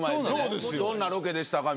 「どんなロケでしたか？」